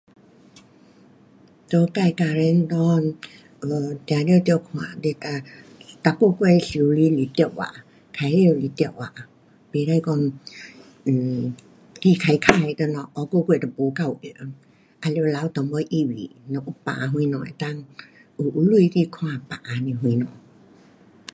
在自家庭内，um 当然要看你每，每个月收入是多少，开销是多少，不可讲 um 随花花，等下下个月就不够用。也有留一点预备，若讲病什么能够有，有钱去看病还是什么。